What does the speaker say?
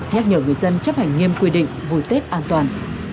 các nhà người dân chấp hành nghiêm quy định vui tết an toàn